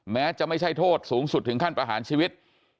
แม้จะไม่ใช่โทษสูงสุดถึงขั้นประหารชีวิต